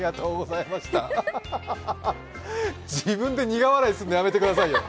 自分で苦笑いするの、やめてくださいよ。